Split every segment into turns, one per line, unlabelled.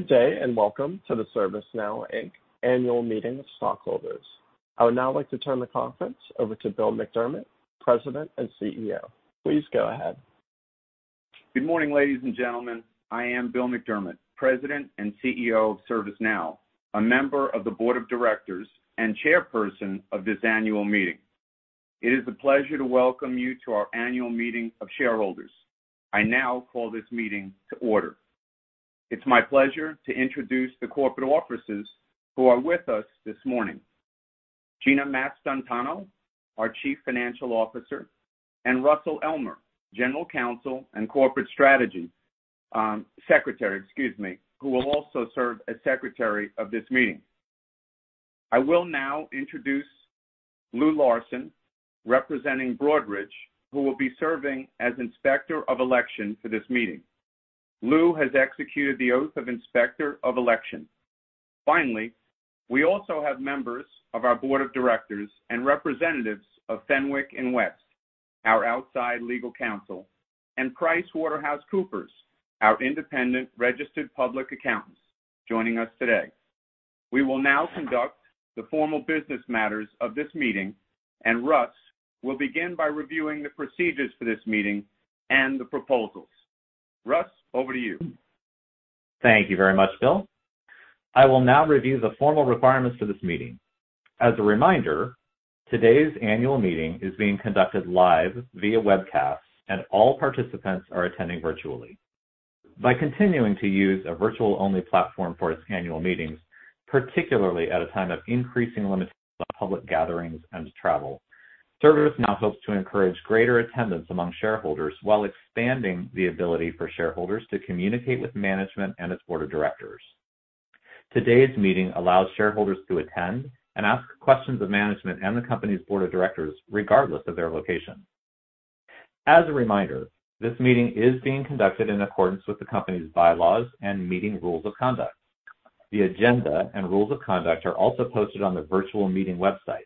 Good day, and welcome to the ServiceNow Inc. Annual Meeting of Stockholders. I would now like to turn the conference over to Bill McDermott, President and Chief Executive Officer. Please go ahead.
Good morning, ladies and gentlemen. I am Bill McDermott, President and Chief Executive Officer of ServiceNow, a member of the Board of Directors, and Chairperson of this annual meeting. It is a pleasure to welcome you to our annual meeting of shareholders. I now call this meeting to order. It's my pleasure to introduce the corporate officers who are with us this morning. Gina Mastantuono, our Chief Financial Officer, and Russell Elmer, General Counsel and Corporate Strategy. Secretary, excuse me, who will also serve as Secretary of this meeting. I will now introduce Lou Larson, representing Broadridge, who will be serving as Inspector of Election for this meeting. Lou has executed the Oath of Inspector of Election. Finally, we also have members of our Board of Directors and representatives of Fenwick & West, our outside legal counsel, and PricewaterhouseCoopers, our independent registered public accountants, joining us today. We will now conduct the formal business matters of this meeting. Russell will begin by reviewing the procedures for this meeting and the proposals. Russell, over to you.
Thank you very much, Bill. I will now review the formal requirements for this meeting. As a reminder, today's annual meeting is being conducted live via webcast, and all participants are attending virtually. By continuing to use a virtual-only platform for its annual meetings, particularly at a time of increasing limitations on public gatherings and travel, ServiceNow hopes to encourage greater attendance among shareholders while expanding the ability for shareholders to communicate with management and its board of directors. Today's meeting allows shareholders to attend and ask questions of management and the company's board of directors regardless of their location. As a reminder, this meeting is being conducted in accordance with the company's bylaws and meeting rules of conduct. The agenda and rules of conduct are also posted on the virtual meeting website.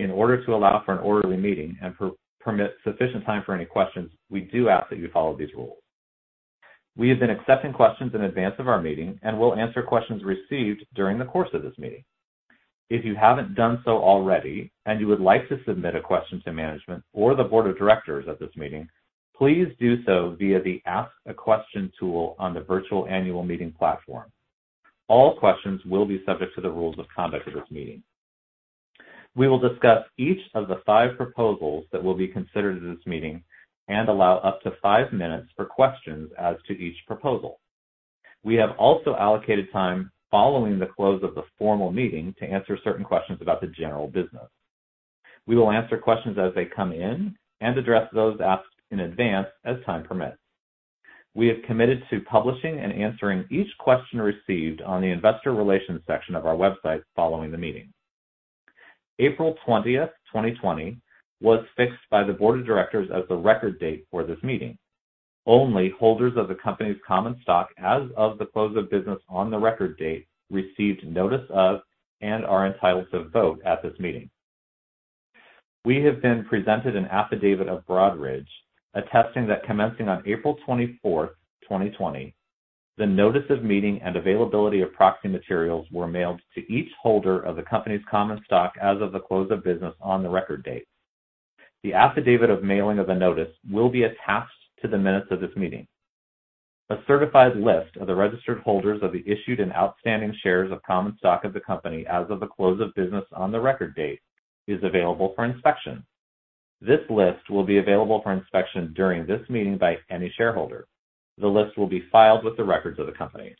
In order to allow for an orderly meeting and permit sufficient time for any questions, we do ask that you follow these rules. We have been accepting questions in advance of our meeting and will answer questions received during the course of this meeting. If you haven't done so already and you would like to submit a question to management or the board of directors at this meeting, please do so via the Ask a Question tool on the virtual annual meeting platform. All questions will be subject to the rules of conduct of this meeting. We will discuss each of the five proposals that will be considered at this meeting and allow up to five minutes for questions as to each proposal. We have also allocated time following the close of the formal meeting to answer certain questions about the general business. We will answer questions as they come in and address those asked in advance as time permits. We have committed to publishing and answering each question received on the investor relations section of our website following the meeting. April 20th, 2020, was fixed by the board of directors as the record date for this meeting. Only holders of the company's common stock as of the close of business on the record date received notice of and are entitled to vote at this meeting. We have been presented an affidavit of Broadridge attesting that commencing on April 24th, 2020, the notice of meeting and availability of proxy materials were mailed to each holder of the company's common stock as of the close of business on the record date. The affidavit of mailing of the notice will be attached to the minutes of this meeting. A certified list of the registered holders of the issued and outstanding shares of common stock of the company as of the close of business on the record date is available for inspection. This list will be available for inspection during this meeting by any shareholder. The list will be filed with the records of the company.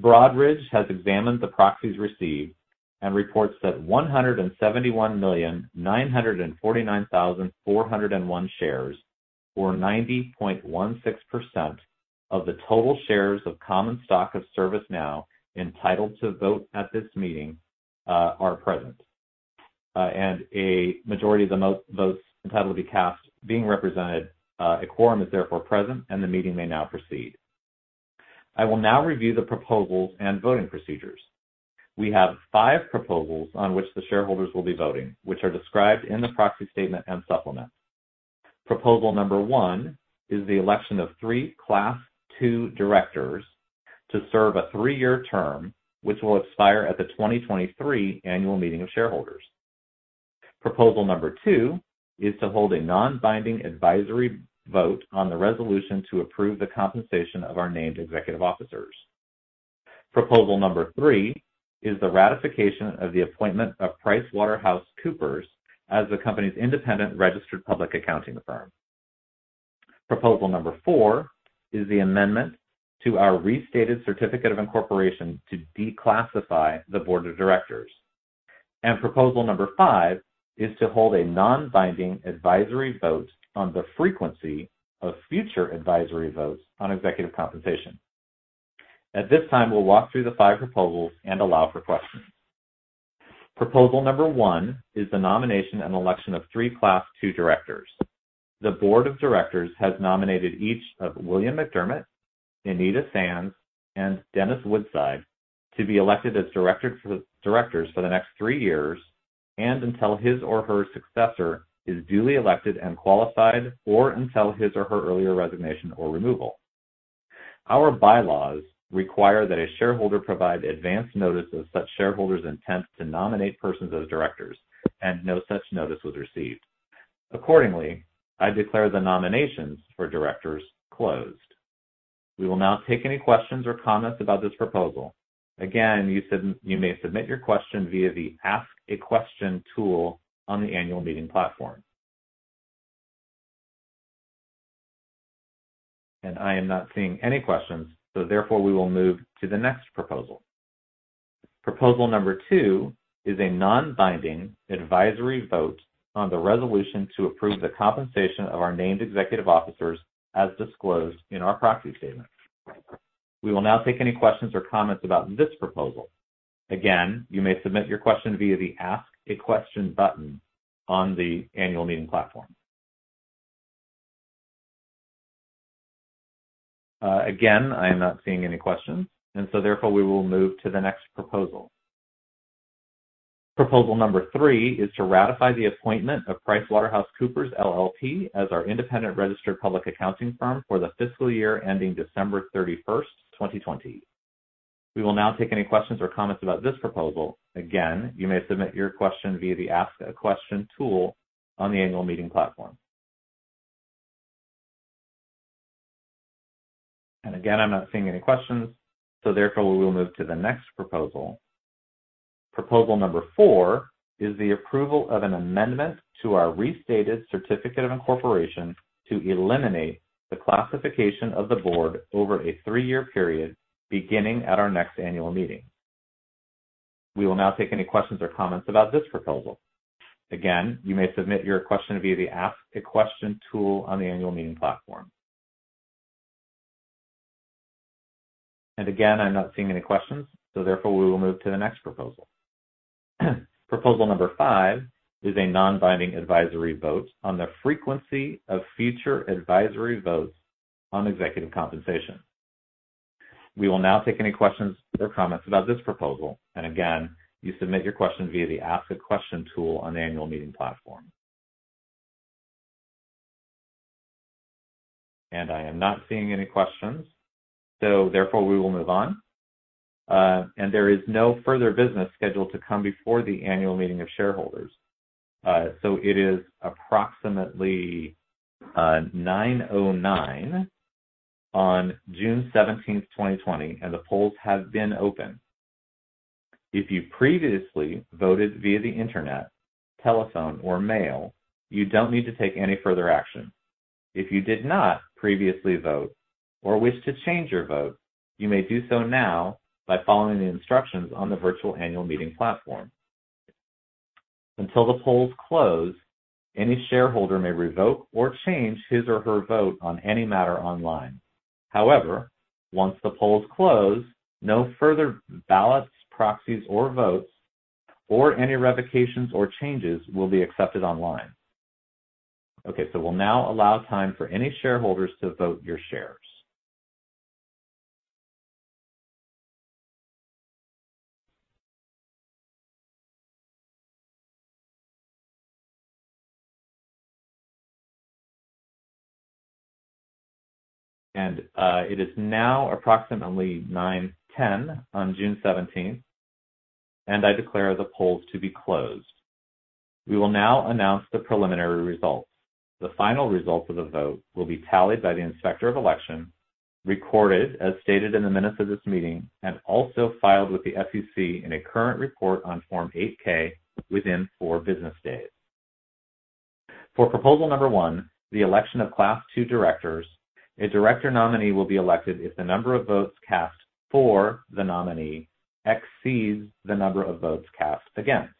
Broadridge has examined the proxies received and reports that 171,949,401 shares, or 90.16% of the total shares of common stock of ServiceNow entitled to vote at this meeting, are present. A majority of the most votes entitled to be cast being represented, a quorum is therefore present and the meeting may now proceed. I will now review the proposals and voting procedures. We have five proposals on which the shareholders will be voting, which are described in the proxy statement and supplement. Proposal number one is the election of three Class II directors to serve a three-year term, which will expire at the 2023 annual meeting of shareholders. Proposal number two is to hold a non-binding advisory vote on the resolution to approve the compensation of our named executive officers. Proposal number three is the ratification of the appointment of PricewaterhouseCoopers as the company's independent registered public accounting firm. Proposal number four is the amendment to our restated certificate of incorporation to declassify the board of directors. Proposal number five is to hold a non-binding advisory vote on the frequency of future advisory votes on executive compensation. At this time, we'll walk through the five proposals and allow for questions. Proposal number one is the nomination and election of three Class II directors. The board of directors has nominated each of William McDermott, Anita Sands, and Dennis Woodside to be elected as directors for the next three years. Until his or her successor is duly elected and qualified, or until his or her earlier resignation or removal. Our bylaws require that a shareholder provide advance notice of such shareholder's intent to nominate persons as directors. No such notice was received. Accordingly, I declare the nominations for directors closed. We will now take any questions or comments about this proposal. Again, you may submit your question via the Ask a Question tool on the annual meeting platform. I am not seeing any questions, so therefore, we will move to the next proposal. Proposal number two is a non-binding advisory vote on the resolution to approve the compensation of our named executive officers as disclosed in our proxy statement. We will now take any questions or comments about this proposal. You may submit your question via the Ask a Question button on the annual meeting platform. I am not seeing any questions, therefore, we will move to the next proposal. Proposal number three is to ratify the appointment of PricewaterhouseCoopers LLP as our independent registered public accounting firm for the fiscal year ending December 31st, 2020. We will now take any questions or comments about this proposal. You may submit your question via the Ask a Question tool on the annual meeting platform. Again, I'm not seeing any questions, therefore, we will move to the next proposal. Proposal number four is the approval of an amendment to our restated certificate of incorporation to eliminate the classification of the board over a three-year period beginning at our next annual meeting. We will now take any questions or comments about this proposal. Again, you may submit your question via the Ask a Question tool on the annual meeting platform. Again, I'm not seeing any questions, so therefore, we will move to the next proposal. Proposal number five is a non-binding advisory vote on the frequency of future advisory votes on executive compensation. We will now take any questions or comments about this proposal. Again, you submit your question via the Ask a Question tool on the annual meeting platform. I am not seeing any questions, so therefore, we will move on. There is no further business scheduled to come before the annual meeting of shareholders. It is approximately 9:09 A.M. on June 17th, 2020, and the polls have been opened. If you previously voted via the internet, telephone, or mail, you don't need to take any further action. If you did not previously vote or wish to change your vote, you may do so now by following the instructions on the virtual annual meeting platform. Until the polls close, any shareholder may revoke or change his or her vote on any matter online. However, once the polls close, no further ballots, proxies, or votes or any revocations or changes will be accepted online. We'll now allow time for any shareholders to vote your shares. It is now approximately 9:10 A.M. on June 17th, and I declare the polls to be closed. We will now announce the preliminary results. The final results of the vote will be tallied by the Inspector of Election, recorded as stated in the minutes of this meeting, and also filed with the SEC in a current report on Form 8-K within four business days. For proposal number one, the election of Class II directors, a director nominee will be elected if the number of votes cast for the nominee exceeds the number of votes cast against.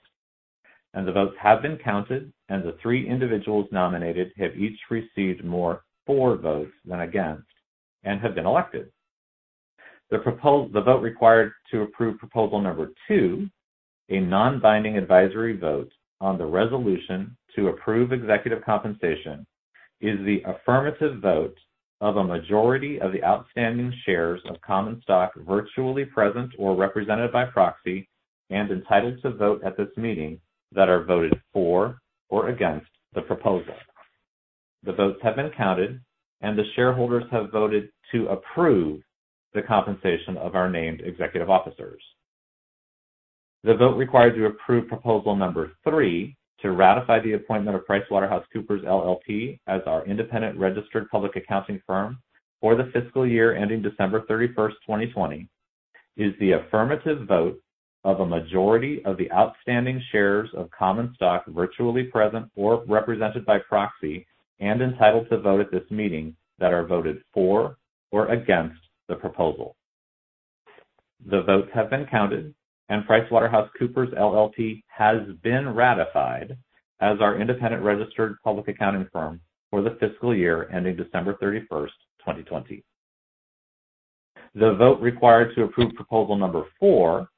The votes have been counted, and the three individuals nominated have each received more for votes than against and have been elected. The vote required to approve proposal number two, a non-binding advisory vote on the resolution to approve executive compensation, is the affirmative vote of a majority of the outstanding shares of common stock virtually present or represented by proxy and entitled to vote at this meeting that are voted for or against the proposal. The votes have been counted, and the shareholders have voted to approve the compensation of our named executive officers. The vote required to approve proposal number three, to ratify the appointment of PricewaterhouseCoopers LLP as our independent registered public accounting firm for the fiscal year ending December 31st, 2020, is the affirmative vote of a majority of the outstanding shares of common stock virtually present or represented by proxy and entitled to vote at this meeting that are voted for or against the proposal. The votes have been counted, and PricewaterhouseCoopers LLP has been ratified as our independent registered public accounting firm for the fiscal year ending December 31st, 2020. The vote required to approve proposal number four,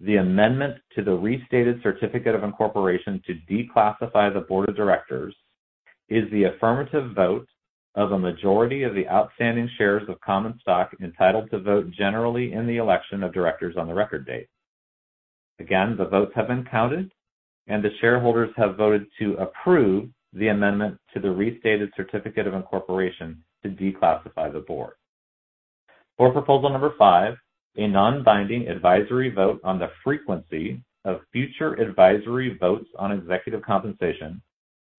the amendment to the restated certificate of incorporation to declassify the board of directors is the affirmative vote of a majority of the outstanding shares of common stock entitled to vote generally in the election of directors on the record date. Again, the votes have been counted, and the shareholders have voted to approve the amendment to the restated certificate of incorporation to declassify the board. For proposal number five, a non-binding advisory vote on the frequency of future advisory votes on executive compensation.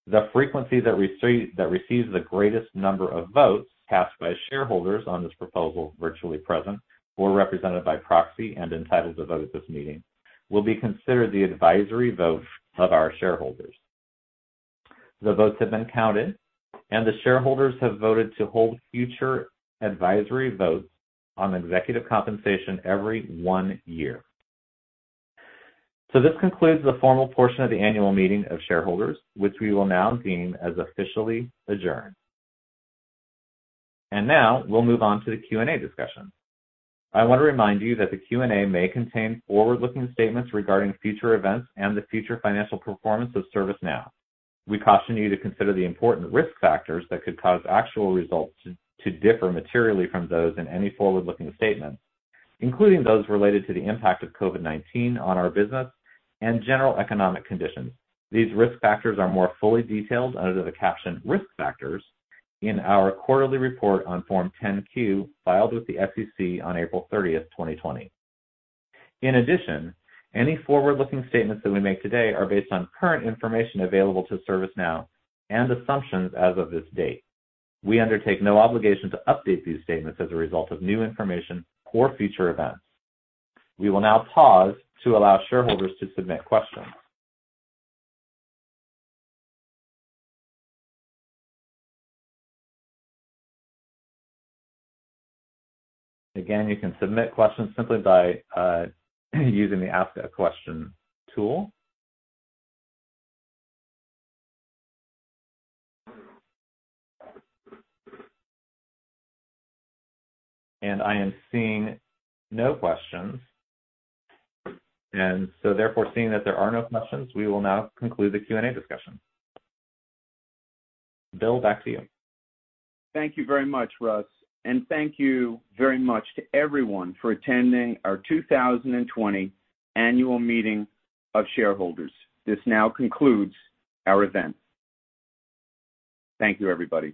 The frequency that receives the greatest number of votes cast by shareholders on this proposal, virtually present or represented by proxy and entitled to vote at this meeting, will be considered the advisory vote of our shareholders. The votes have been counted, and the shareholders have voted to hold future advisory votes on executive compensation every one year. This concludes the formal portion of the annual meeting of shareholders, which we will now deem as officially adjourned. Now we'll move on to the Q&A discussion. I want to remind you that the Q&A may contain forward-looking statements regarding future events and the future financial performance of ServiceNow. We caution you to consider the important risk factors that could cause actual results to differ materially from those in any forward-looking statement, including those related to the impact of COVID-19 on our business and general economic conditions. These risk factors are more fully detailed under the caption Risk Factors in our quarterly report on Form 10-Q, filed with the SEC on April 30th, 2020. In addition, any forward-looking statements that we make today are based on current information available to ServiceNow and assumptions as of this date. We undertake no obligation to update these statements as a result of new information or future events. We will now pause to allow shareholders to submit questions. Again, you can submit questions simply by using the Ask a Question tool. I am seeing no questions. Therefore, seeing that there are no questions, we will now conclude the Q&A discussion. Bill, back to you.
Thank you very much, Russell, and thank you very much to everyone for attending our 2020 annual meeting of shareholders. This now concludes our event.
Thank you, everybody.